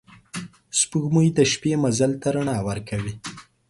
سپوږمۍ د شپې مزل ته رڼا ورکوي